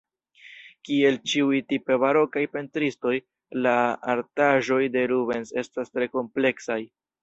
Kiel ĉiuj tipe barokaj pentristoj, la artaĵoj de Rubens estas tre kompleksaj.